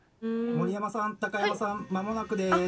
森山さん高山さんまもなくです。